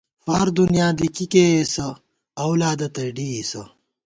فار دُنیاں دی کی کېئیسہ اولادہ تئ ڈېئیسہ